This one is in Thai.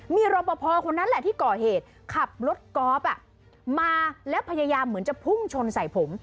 มีรอปภคนนั้นแหละที่ก่อเหตุขับรถกอล์ฟมาแล้วพยายามเหมือนจะพุ่งชนใส่ผม